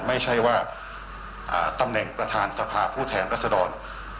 ไม่ใช่ว่าตำแหน่งประธานสภาผู้แทนรัศดร